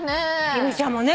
由美ちゃんもね。